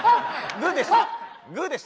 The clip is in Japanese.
グッでした？